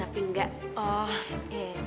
jadi dia memang bernyanyi